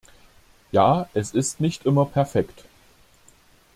Ja, es ist nicht immer perfekt.